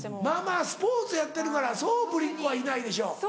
まぁまぁスポーツやってるからそうぶりっ子はいないでしょ。